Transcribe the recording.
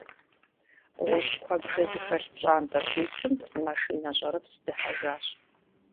ГъущӀ куэбжэ зыхэлъ пщӀантӀэ хуитым машинэ щӀэрыпс дыхьэжащ.